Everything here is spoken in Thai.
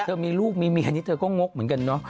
เธอมีลูกมีเมียนี่เธอก็งกเหมือนกันเนอะ